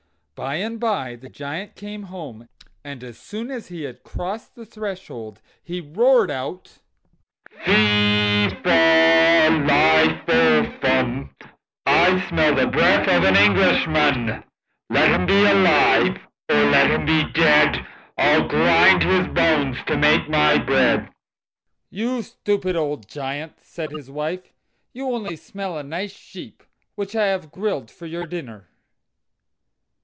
By and by the Giant came home, and as soon as he had crossed the threshold he roared out: "Fe, fa, li fo fum, I smell the breath of an Englishman. Let him be alive or let him be dead, I'll grind his bones to make my bread." "You stupid old Giant," said his wife, "you only smell a nice sheep, which I have grilled for your dinner.